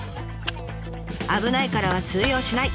「危ないから」は通用しない！